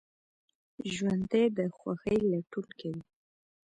ژوندي د خوښۍ لټون کوي